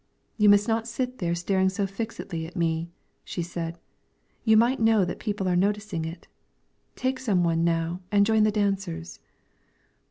"You must not sit there staring so fixedly at me," said she; "you might know that people are noticing it. Take some one now and join the dancers."